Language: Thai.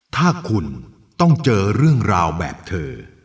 ถ้าคุณต้องเจอเรื่องราวแบบเธอ